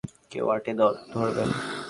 কেউ আটে দর ধরবেন?